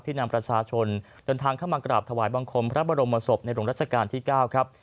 นำประชาชนเดินทางเข้ามากราบถวายบังคมพระบรมศพในหลวงรัชกาลที่๙ครับ